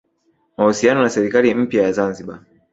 mahusiano na serikali mpya ya Zanzibar